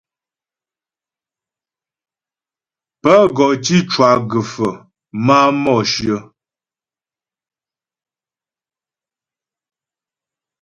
Pə́ gɔ tǐ cwa gə́fə máa Mǒshyə.